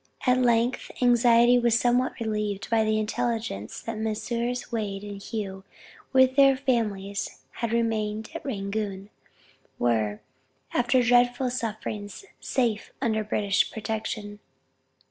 At length anxiety was somewhat relieved by the intelligence that Messrs. Wade and Hough with their families, who had remained at Rangoon, were, after dreadful sufferings, safe under British protection.